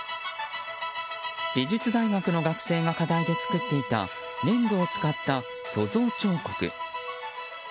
美術大学の学生が課題で作っていた粘土を使った塑像彫刻。